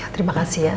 terima kasih ya